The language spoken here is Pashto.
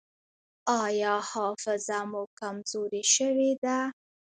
ایا حافظه مو کمزورې شوې ده؟